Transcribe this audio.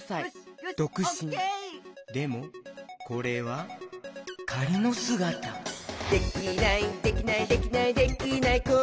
でもこれはかりのすがた「できないできないできないできない子いないか」